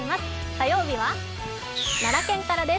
火曜日は奈良県からです。